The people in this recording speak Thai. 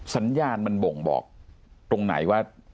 สัญญาณมันบ่งบอกตรงไหนว่า